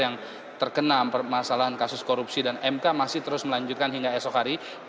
yang terkena permasalahan kasus korupsi dan mk masih terus melanjutkan hingga esok hari